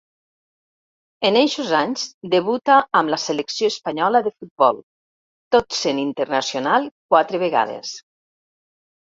En eixos anys debuta amb la selecció espanyola de futbol, tot sent internacional quatre vegades.